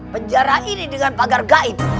penjara ini dengan pagar gaib